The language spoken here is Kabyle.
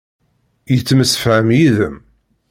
Yettemsefham yid-m.